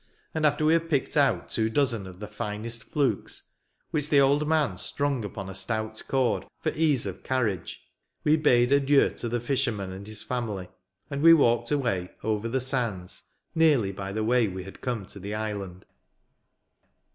And, after we had picked out two dozen of the finest flukes, which the old *n'&n strung upon a stout cord for ease of carriage, we bade adieu to the fisherman and his family, and we walked away over the sands, nearly by the way we had come to the island.